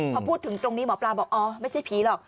พอพูดถึงตรงนี้หมอปลาบอกอ๋อไม่ใช่ผีหรอก